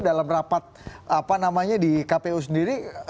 dalam rapat apa namanya di kpu sendiri